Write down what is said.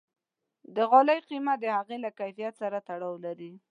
د غالۍ قیمت د هغې له کیفیت سره تړاو لري.